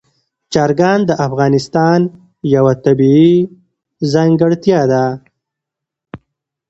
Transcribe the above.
چرګان د افغانستان یوه طبیعي ځانګړتیا ده.